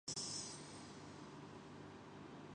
نو آموز ریاست تھی۔